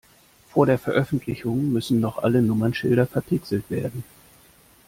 Vor der Veröffentlichung müssen noch alle Nummernschilder verpixelt werden.